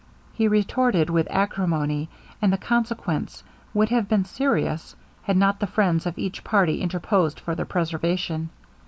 He retorted with acrimony; and the consequence would have been serious, had not the friends of each party interposed for their preservation.